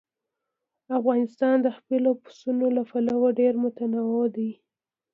افغانستان د خپلو پسونو له پلوه ډېر متنوع دی.